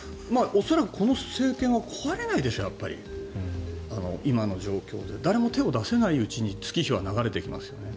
恐らく、この政権は壊れないでしょう、今の状況で誰も手を出せないうちに月日が流れていきますよね。